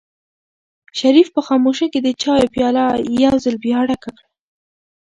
شریف په خاموشۍ کې د چایو پیاله یو ځل بیا ډکه کړه.